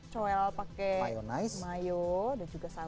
cok pake mayo dan juga sambal